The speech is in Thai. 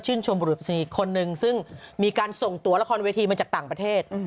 ชมบุรุษณีคนหนึ่งซึ่งมีการส่งตัวละครเวทีมาจากต่างประเทศ